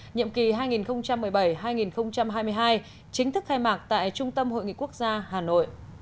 nhiệm kỳ hai nghìn một mươi bảy hai nghìn hai mươi hai chính thức khai mạc tại trung tâm hội nghị quốc gia hà nội